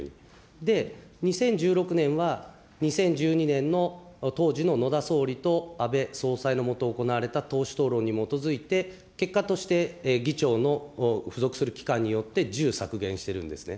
で、２０１６年は２０１２年の当時の野田総理と安倍総裁の下、行われた党首討論に基づいて、結果として議長の付属する機関によって、１０削減してるんですね。